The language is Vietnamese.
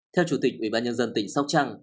theo chủ tịch ủy ban nhân dân tỉnh sóc trăng